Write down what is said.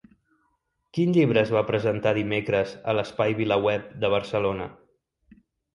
Quin llibre es va presentar dimecres a l'Espai VilaWeb de Barcelona?